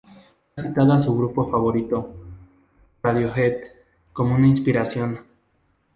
Ha citado a su grupo favorito, Radiohead, como una inspiración.